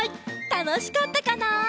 たのしかったかな？